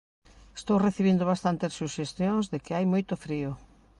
Estou recibindo bastantes suxestións de que hai moito frío.